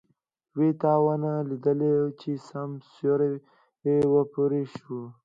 وی تا ونه ليده چې سم سور و پور شو.